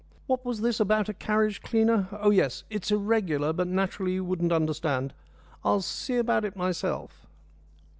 "What was this about a carriage cleaner? Oh, yes, it's irregular; but naturally you wouldn't understand. I'll see about it myself."